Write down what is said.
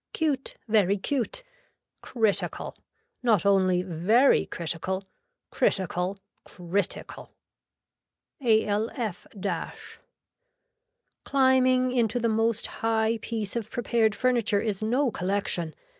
Cute, very cute, critical, not only very critical, critical, critical. ALF . Climbing into the most high piece of prepared furniture is no collection.